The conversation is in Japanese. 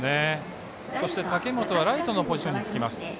そして、武元はライトのポジションにつきます。